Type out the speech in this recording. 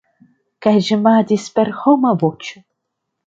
Kaj ĝemadis per homa voĉo.